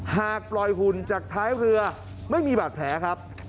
หากปล่อยหุ่นจากท้ายเรือไม่มีบาดแผลครับ